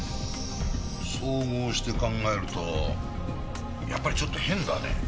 総合して考えるとやっぱりちょっと変だね。